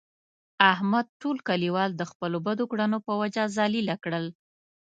احمد ټول کلیوال د خپلو بدو کړنو په وجه ذلیله کړل.